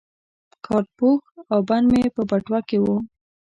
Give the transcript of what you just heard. کارت پوښ او بند مې په بټوه کې وو.